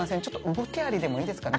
動きありでもいいですかね？